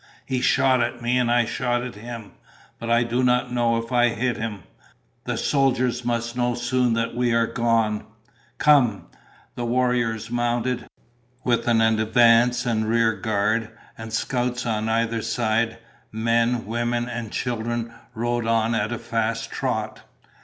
He shot at me, and I shot at him, but I do not know if I hit him. The soldiers must know soon that we are gone." "Come." The warriors mounted. With an advance and rear guard, and scouts on either side, men, women, and children rode on at a fast trot.